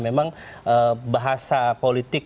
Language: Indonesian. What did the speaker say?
memang bahasa politik